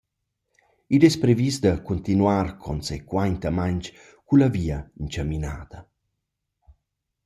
Id es previs da cuntinuar consequaintamaing cun la via inchaminada.